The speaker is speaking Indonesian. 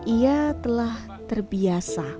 ia telah terbiasa